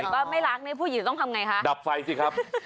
ว่าไม่รักเนี่ยผู้หญิงต้องทำไงคะดับไฟสิครับ